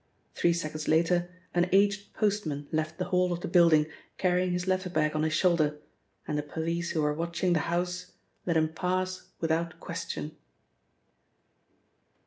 Three seconds later, an aged postman left the hall of the building, carrying his letter bag on his shoulder, and the police who were watching the house, let him pass without question.